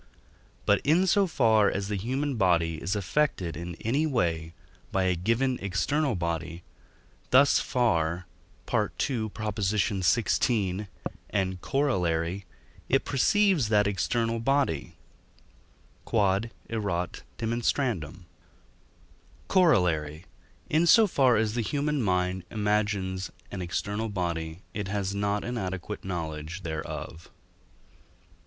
But, in so far as the human body is affected in any way by a given external body, thus far (II. xvi. and Coroll.) it perceives that external body. Q.E.D. Corollary. In so far as the human mind imagines an external body, it has not an adequate knowledge thereof.